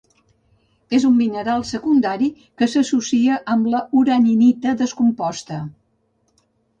És un mineral secundari que s'associa amb la uraninita descomposta.